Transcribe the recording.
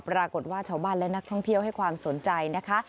ปรากฏว่าชาวบ้านและนักท่องเที่ยวให้ความสนใจนะคะ